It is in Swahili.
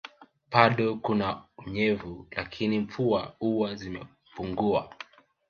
Bado kuna unyevu lakini mvua huwa zimepunguwa